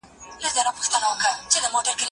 که باران وسي، زه به پاتې شم،